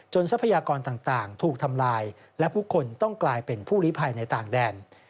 ทรัพยากรต่างถูกทำลายและผู้คนต้องกลายเป็นผู้ลิภัยในต่างแดน